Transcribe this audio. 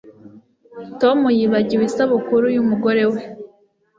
Tom yibagiwe isabukuru yumugore we